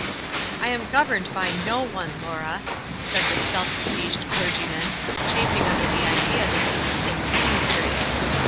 "I am governed by no one, Laura," said this self besieged clergyman, chafing under the idea that he was in leading strings.